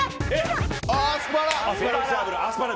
アスパラ。